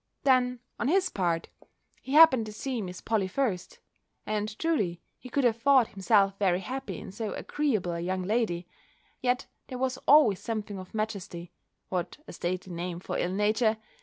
Then, on his part, he happened to see Miss Polly first; and truly, he could have thought himself very happy in so agreeable a young lady; yet there was always something of majesty (what a stately name for ill nature!)